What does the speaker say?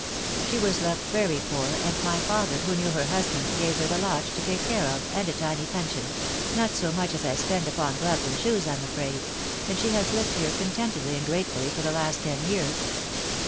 She was left very poor, and my father, who knew her husband, gave her the lodge to take care of, and a tiny pension — not so much as I spend upon gloves and shoes, I'm afraid; and she has lived here contentedly and gratefully for the last ten years.